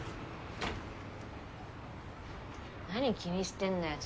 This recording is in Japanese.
何気にしてんだよ。